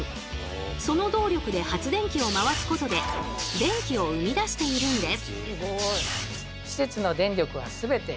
その動力で発電機をまわすことで電気を生み出しているんです。